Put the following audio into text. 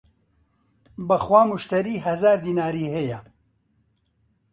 بە خوا موشتەری هەزار دیناری هەیە!